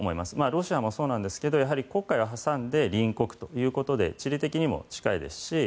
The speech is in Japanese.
ロシアもそうですけど黒海を挟んで隣国ということで地理的にも近いですし